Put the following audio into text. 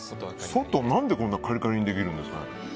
外は何でこんなにカリカリにできるんですかね。